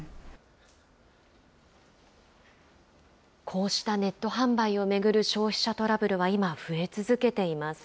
こうしたネット販売を巡る消費者トラブルは今、増え続けています。